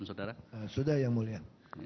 sudah yang mulia